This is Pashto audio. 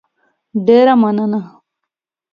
ډېره مننه